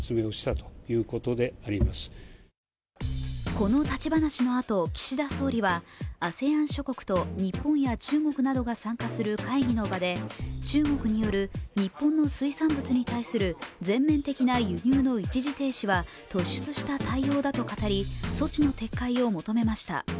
この立ち話の後、岸田総理はＡＳＥＡＮ諸国と日本や中国などが参加する会議の場で中国による日本の水産物に対する全面的な輸入の一時停止は突出した対応だと語り、措置の撤回を求めました。